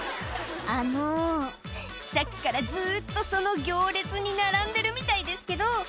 あのさっきからずっとその行列に並んでるみたいですけど